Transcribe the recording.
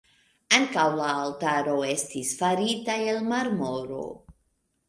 Ankaŭ la altaro estis farita el marmoro.